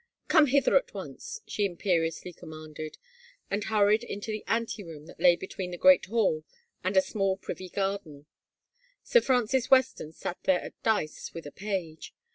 " Come hither at once," she imperiously com manded, and hurried into the anteroom that lay between the great hall and a small privy garden. Sir Francis Weston sat there at dice with a page.